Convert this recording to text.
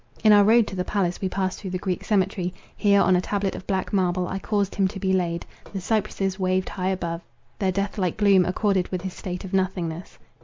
In our road to the palace, we passed through the Greek cemetery; here on a tablet of black marble I caused him to be laid; the cypresses waved high above, their death like gloom accorded with his state of nothingness.